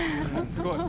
すごい。